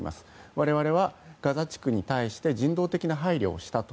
我々はガザ地区に対して人道的な配慮をしたと。